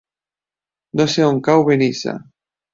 No sé on cau Benissa.